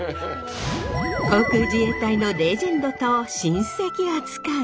航空自衛隊のレジェンドと親戚あつかい。